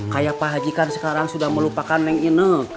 kayak pahagi kan sekarang sudah melupakan neng ineke